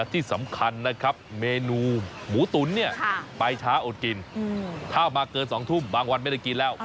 ที่สำคัญนะครับเมนูหมูตุ๋นเนี่ยไปช้าอดกินถ้ามาเกิน๒ทุ่มบางวันไม่ได้กินแล้ว